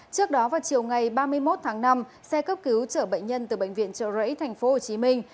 trước đó vào chiều ngày ba mươi một tháng năm xe cấp cứu trở bệnh nhân từ bệnh viện trợ rẫy tp hồ chí minh